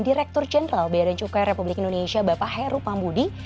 direktur jenderal beadaan cukai republik indonesia bapak heru pambudi